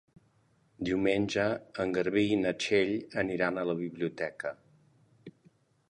Diumenge en Garbí i na Txell aniran a la biblioteca.